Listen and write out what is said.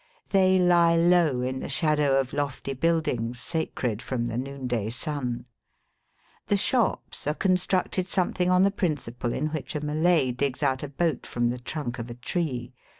They lie low in the shadow of lofty buildings sacred from the noonday sun. The shops are constructed something on the principle in which a Malay digs out a boat from the trunk of a tree.